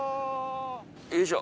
よいしょ。